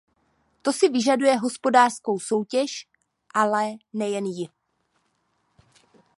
To si vyžaduje hospodářskou soutěž, ale nejen ji.